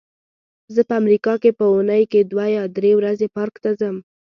زه په امریکا کې په اوونۍ کې دوه یا درې ورځې پارک ته ځم.